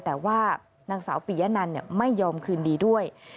แต่ว่านางสาวปียะนันไม่ยอมคืนดีด้วย